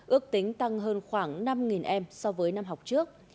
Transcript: ước tính tăng hơn khoảng năm em so với năm học trước